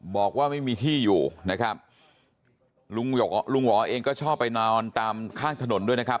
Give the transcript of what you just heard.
บอกว่าไม่มีที่อยู่นะครับลุงลุงหวอเองก็ชอบไปนอนตามข้างถนนด้วยนะครับ